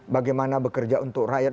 bagaimana bekerja untuk rakyat